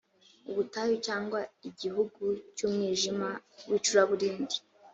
ubutayu cyangwa igihugu cy umwijima w icuraburindi